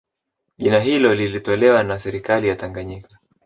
Jina hilo lilitolewa na serikali ya Tanganyika